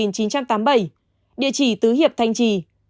ba ntlh nữ sinh năm một nghìn chín trăm tám mươi bảy địa chỉ tứ hiệp thanh trì